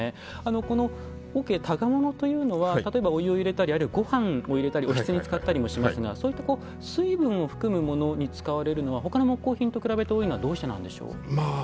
この桶箍物というのは例えばお湯を入れたりあるいはごはんを入れたりおひつに使ったりもしますがそういった水分を含むものに使われるのはほかの木工品と比べて多いのはどうしてなんでしょう？